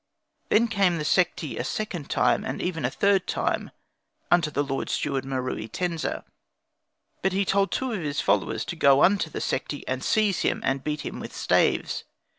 Then came the Sekhti a second time, and even a third time, unto the Lord Steward Meruitensa; but he told two of his followers to go unto the Sekhti, and seize on him, and beat him with staves.